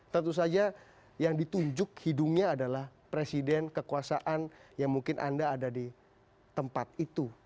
tentu saja yang ditunjuk hidungnya adalah presiden kekuasaan yang mungkin anda ada di tempat itu